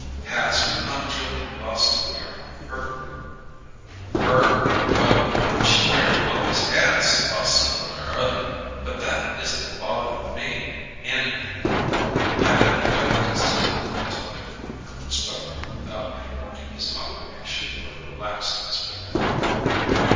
"Has your Aunt Julia lost an earring, Herbert?" "Her? Well, she nearly always has lost somep'n or other, but that isn't bother'n' me any. I got better things to do with my time." Herbert spoke without interrupting his occupation or relaxing his forehead.